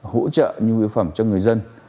hỗ trợ như biểu phẩm cho người dân